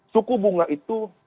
suku bunga itu